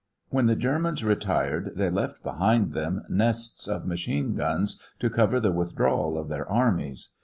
When the Germans retired, they left behind them nests of machine guns to cover the withdrawal of their armies.